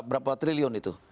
berapa triliun itu